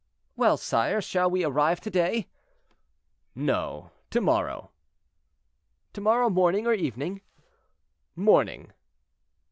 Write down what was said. "Well, sire, shall we arrive to day?" "No, to morrow." "To morrow morning or evening?" "Morning."